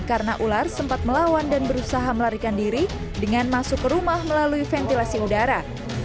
karena ular sempat melawan dan berusaha melarikan diri dengan masuk ke rumah melalui ventilasi udara